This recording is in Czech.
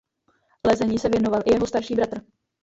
Lezení se věnoval i jeho starší bratr.